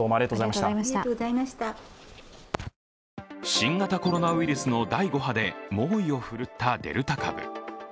新型コロナウイルスの第５波で猛威を振るったデルタ株。